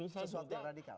sesuatu yang radikal